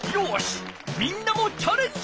みんなもチャレンジじゃ！